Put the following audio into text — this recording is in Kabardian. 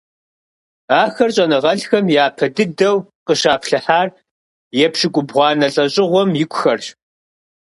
Ахэр щӀэныгъэлӀхэм япэ дыдэу къыщаплъыхьар епщыкӏубгъуанэ лӀэщӀыгъуэм икухэрщ.